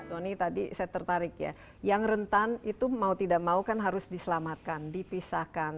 doni tadi saya tertarik ya yang rentan itu mau tidak mau kan harus diselamatkan dipisahkan